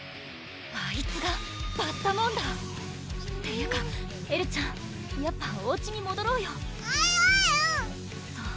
あいつがバッタモンダーっていうかエルちゃんやっぱおうちにもどろうよえるえるっ！